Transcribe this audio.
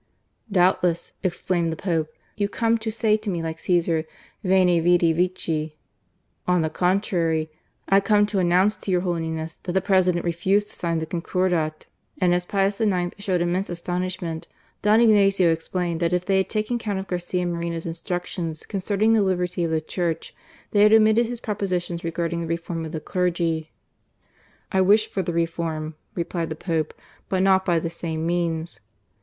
"Doubtless," exclaimed the Pope, "you come to say to me like Caesar: Vent, Vidiy Vinci r " On the contrary I come to announce to your Holiness that the President refused to sign the Concordat." And as Pius IX. showed immense astonishment^ Don Ignazio explained that if they had taken count of Garcia Moreno's instructions concerning the liberty of the Church, they had omitted his pro positions regarding the reform of the clergy. " I wish for the reform," replied the Pope, "but not by the same means."